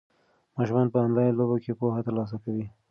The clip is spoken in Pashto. ماشومان په انلاین لوبو کې پوهه ترلاسه کوي.